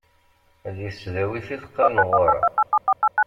Di tesdawit i teqqar Newwara.